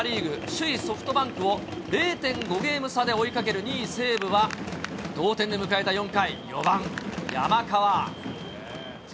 首位ソフトバンクを０．５ゲーム差で追いかける２位西武は、同点で迎えた４回、４番山川。